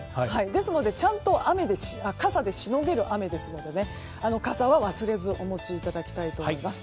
ですのでちゃんと傘でしのげる雨ですので傘は忘れずにお持ちいただきたいと思います。